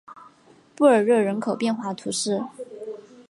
布尔热人口变化图示